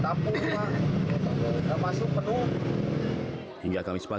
tampung enggak masuk penuh